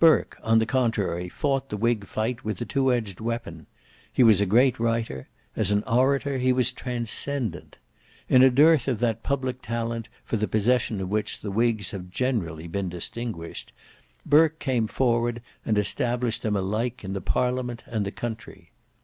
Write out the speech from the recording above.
Burke on the contrary fought the whig fight with a two edged weapon: he was a great writer; as an orator he was transcendent. In a dearth of that public talent for the possession of which the whigs have generally been distinguished, Burke came forward and established them alike in the parliament and the country.